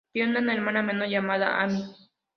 Tiene una hermana menor llamada Amy.